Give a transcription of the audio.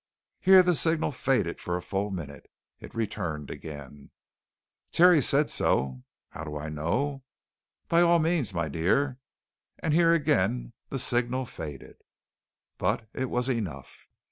here the signal faded for a full minute. It returned again, "... Terry said so.... How do I know?... By all means, my dear...." and here again the signal faded. But it was enough.